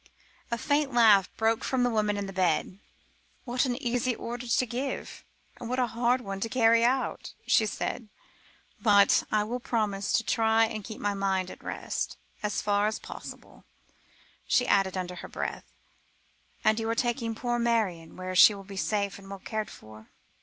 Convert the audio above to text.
A faint laugh broke from the woman in the bed. "What an easy order to give, and what a hard one to carry out," she said; "but I will promise to try and keep my mind at rest as far as possible," she added under her breath; "and you are taking poor Marion where she will be safe and well cared for?"